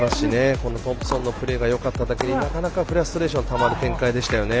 このトンプソンのプレーがよかっただけになかなか、フラストレーションがたまる展開でしたね。